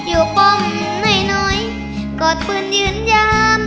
อยู่ปมให้หน่อยกอดปืนยืนยาม